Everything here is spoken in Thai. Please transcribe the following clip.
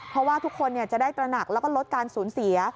เพราะว่าทุกคนจะได้ตระหนักแล้วก็ลดการสูญเสีย